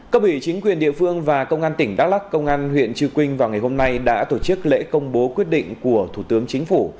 các vị chính quyền địa phương và công an tỉnh đắk lắc công an huyện trư quynh vào ngày hôm nay đã tổ chức lễ công bố quyết định của thủ tướng chính phủ